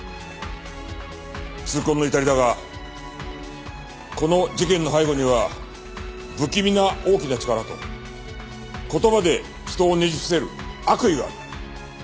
痛恨の至りだがこの事件の背後には不気味な大きな力と言葉で人をねじ伏せる悪意がある。